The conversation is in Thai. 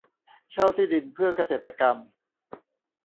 เช่าที่ดินเพื่อเกษตรกรรม